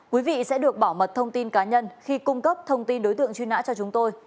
quý vị sẽ được bảo mật thông tin cá nhân khi cung cấp thông tin đối tượng truy nã cho chúng tôi